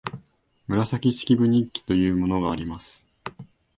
「紫式部日記」というのがあります